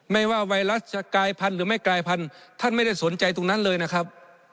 ไม่ว่าไวรัสจะกลายพันธุ์หรือไม่กลายพันธุ์ท่านไม่ได้สนใจตรงนั้นเลยนะครับ